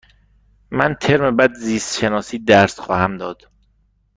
من ترم بعد زیست شناسی درس خواهم داد.